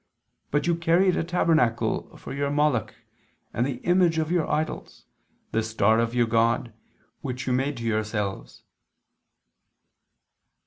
But you carried a tabernacle for your Moloch, and the image of your idols, the star of your god, which you made to yourselves."